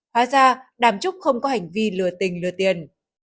hóa ra đàm trúc không có hành vi lừa tình lừa tiền